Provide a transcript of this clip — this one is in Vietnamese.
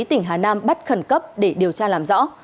tỉnh hà nam bắt khẩn cấp để điều tra làm rõ